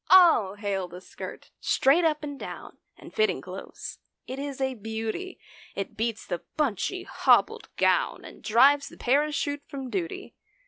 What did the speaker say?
All hail the skirt—straight up and down And fitting close. It is a beauty. It beats the bunchy hobbled gown And drives the parachute from duty.